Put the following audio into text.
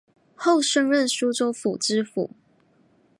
后升任苏州府知府